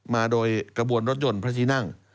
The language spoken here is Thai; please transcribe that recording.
มาโดยกระบวนรถยนต์พระที่นั่ง